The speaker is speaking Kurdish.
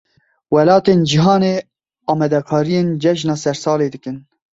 Welatên cîhanê amadekariyên cejna sersalê dikin.